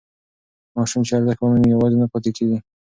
ماشوم چې ارزښت ومومي یوازې نه پاتې کېږي.